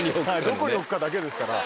どこに置くかだけですから。